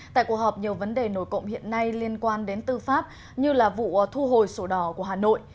tại cuộc họp nhiều vấn đề nổi cộng hiện nay liên quan đến tư pháp như là vụ thu hồi sổ đỏ của hà nội